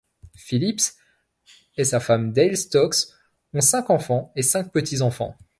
Phillips et sa femme Dale Stokes ont cinq enfants et cinq petits-enfants.